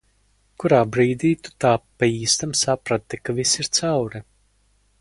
Kurā brīdī tu tā pa īstam saprati, ka viss ir cauri?